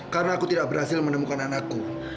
karena aku tidak berhasil menemukan anakku